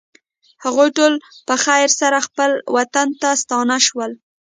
هغوی ټول په خیر سره خپل وطن ته ستانه شول.